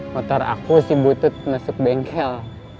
motor aku sih butuh masuk bengkel